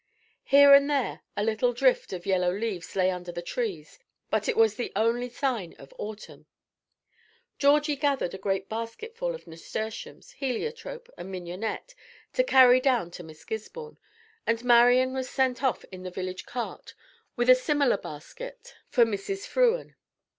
Here and there a little drift of yellow leaves lay under the trees, but it was the only sign of autumn. Georgie gathered a great basketful of nasturtiums, heliotrope, and mignonette to carry down to Miss Gisborne, and Marian was sent off in the village cart with a similar basketful for Mrs. Frewen.